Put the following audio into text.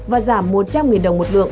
và giảm một trăm linh đồng một lượng